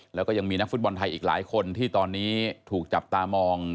แล้วก็ยังมีนักฟุตบอลไทยอีกหลายคนที่ตอนนี้ถูกจับตามอง